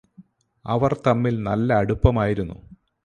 അവർ തമ്മിൽ നല്ല അടുപ്പമായിരുന്നോ